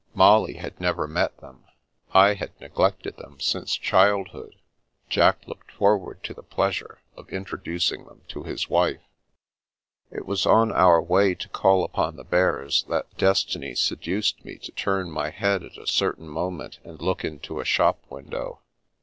Molly had never met them ; I had neglected them since childhood; Jack looked forward to the pleasure of introducing them to his wife. It was on our way to call upon the Bears, that destiny seduced me to turn my head at a certain moment, and look into a shop window.